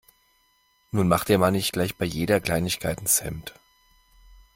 Nun mach dir mal nicht gleich bei jeder Kleinigkeit ins Hemd.